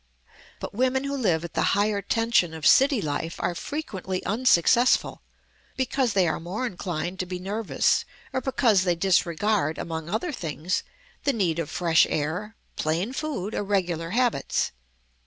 But women who live at the higher tension of city life are frequently unsuccessful, because they are more inclined to be nervous or because they disregard, among other things, the need of fresh air, plain food, or regular habits.